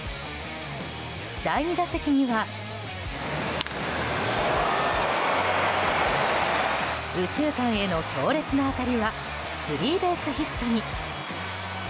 第２打席には右中間への強烈な当たりはスリーベースヒットに。